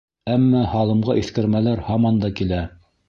Әммә һалымға иҫкәрмәләр һаман да килә...